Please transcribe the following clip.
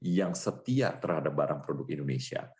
yang setia terhadap barang produk indonesia